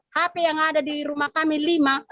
hp yang ada di rumah kami lima